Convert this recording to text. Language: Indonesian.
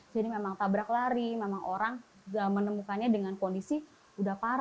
jadi memang tabrak lari memang orang tidak menemukannya dengan kondisi sudah parah memang tidak ditolong seperti itu ya